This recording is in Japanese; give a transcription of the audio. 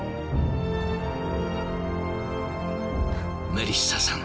メリッサさん